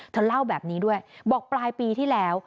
เธอเล่าแบบนี้ด้วยบอกปลายปีที่แล้ว